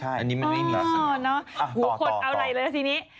เอาไล่เลยซินี้